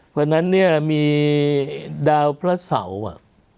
เพราะฉะนั้นเนี่ยมีดาวพระเสาอะ